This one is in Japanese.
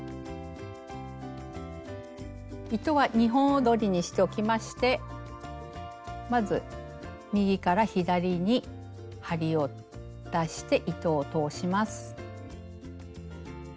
糸は２本どりにしておきましてまず右から左に針を出して糸を通します。